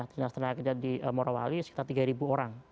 dinas tenaga kerja di morawali sekitar tiga ribu orang